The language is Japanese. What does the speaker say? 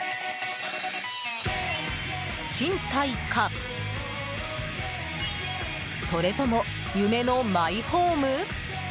賃貸かそれとも夢のマイホーム？